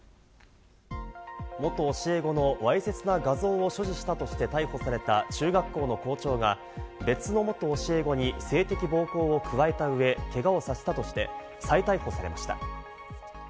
元教え子のわいせつな画像を所持したとして逮捕された中学校の校長が別の元教え子に性的暴行を加えたうえ、けがをさせたとして、再逮捕されました。